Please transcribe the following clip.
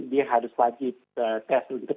dia harus wajib tes